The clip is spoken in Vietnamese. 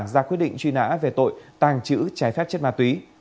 ra quyết định truy nã về tội tàng trữ trái phép chất ma túy